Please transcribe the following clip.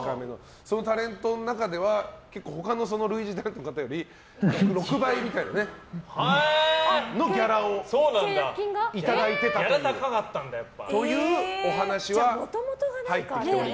そのタレントの中では他の類似タレントの方より６倍みたいなギャラをいただいていたというお話は入ってきております。